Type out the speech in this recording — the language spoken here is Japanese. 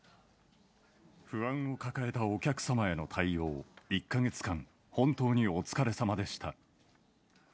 不安を抱えたお客様への対応、１か月間、本当にお疲れさまでした。